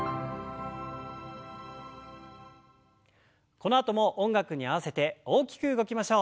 このあとも音楽に合わせて大きく動きましょう。